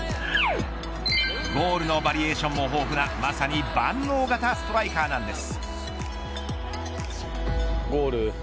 ゴールのバリエーションも豊富なまさに万能型ストライカーなんです。